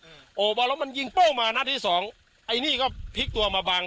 โอ้พอแล้วมันยิงโป้งมานัดที่สองไอ้นี่ก็พลิกตัวมาบัง